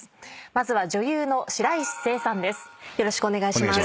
まずは女優の白石聖さんです。